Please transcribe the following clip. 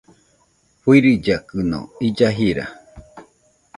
Fɨɨrillakɨno illa jira